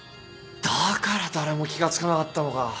だから誰も気が付かなかったのか。